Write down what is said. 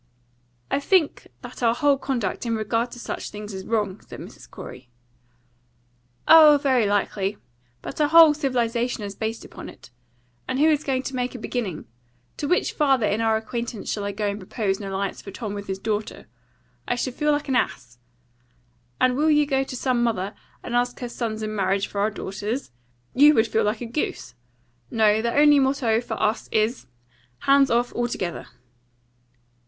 "I think our whole conduct in regard to such things is wrong," said Mrs. Corey. "Oh, very likely. But our whole civilisation is based upon it. And who is going to make a beginning? To which father in our acquaintance shall I go and propose an alliance for Tom with his daughter? I should feel like an ass. And will you go to some mother, and ask her sons in marriage for our daughters? You would feel like a goose. No; the only motto for us is, Hands off altogether."